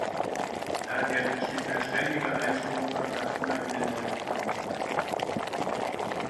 Daher besteht ein ständiger Einstrom von Plasma in den Neuriten.